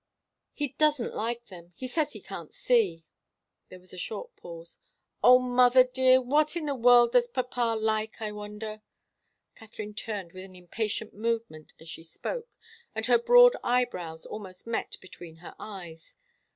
"He doesn't like them he says he can't see." There was a short pause. "Oh, mother dear! what in the world does papa like, I wonder?" Katharine turned with an impatient movement as she spoke, and her broad eyebrows almost met between her eyes.